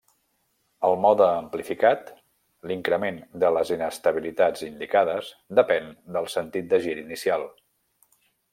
El mode amplificat, l'increment de les inestabilitats indicades, depèn del sentit de gir inicial.